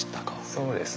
そうですね。